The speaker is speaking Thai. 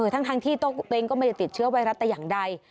ทั้งที่ตัวเองก็ไม่ได้ติดเชื้อไวรัสแต่อย่างใด